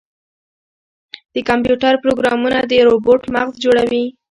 د کمپیوټر پروګرامونه د روبوټ مغز جوړوي.